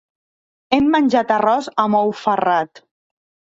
Hem menjat arròs amb ou ferrat.